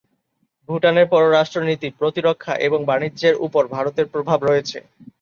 ভুটানের পররাষ্ট্র নীতি, প্রতিরক্ষা এবং বাণিজ্যের উপর ভারতের প্রভাব রয়েছে।